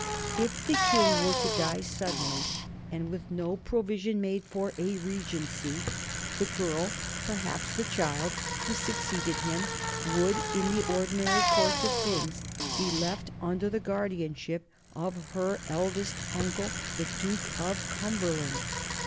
If the King were to die suddenly, and with no provision made for a regency, the girl, perhaps the child, who succeeded him would in the ordinary course of things be left under the guardianship of her eldest uncle, the Duke of Cumberland.